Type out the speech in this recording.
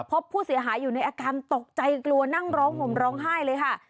พบผู้เสียหายอยู่ในอาการตกใจกลัวนั่งร้องห่มร้องไห้เลยค่ะ